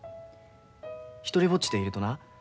独りぼっちでいるとな